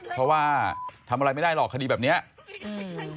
เพราะว่าทำอะไรไม่ได้หรอกคดีแบบเนี้ยอืม